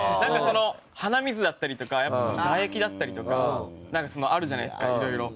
鼻水だったりとか唾液だったりとかなんかあるじゃないですか色々。